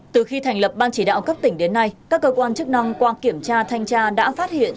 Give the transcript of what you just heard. từ khi thành lập ban chỉ đạo cấp tỉnh đến nay các cơ quan chức năng qua kiểm tra thanh tra đã phát hiện